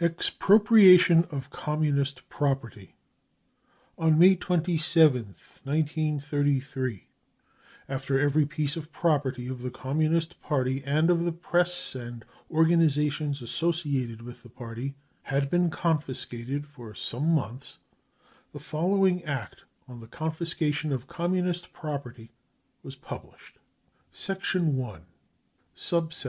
Expropriation of Ctmmunist Property. On May 27th, 1933, a ^ ter every piece of property of the Communist Party and of the Press and organisations associated with the party had been confiscated for some months, the fol lowing Act on the Confiscation of Communist Property was published : u I. (1).